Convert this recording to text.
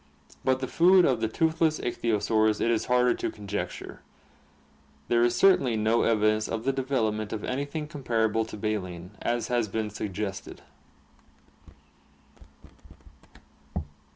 But the food of the tooth less ichthyosaurs it is harder to conjecture; there is certainly no evidence of the development of anything comparable to baleen, as has been suggested.